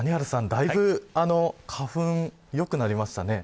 だいぶ花粉がよくなりましたね。